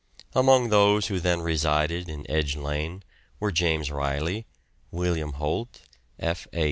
Among those who then resided in Edge Lane were James Ryley, William Holt, F. A.